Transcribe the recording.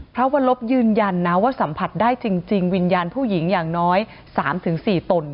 วรลบยืนยันนะว่าสัมผัสได้จริงวิญญาณผู้หญิงอย่างน้อย๓๔ตน